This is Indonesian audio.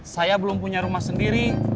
saya belum punya rumah sendiri